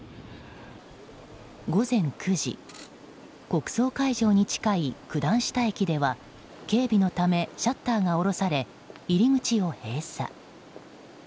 国葬会場に近い九段下駅では警備のためシャッターが下ろされ入り口を閉鎖。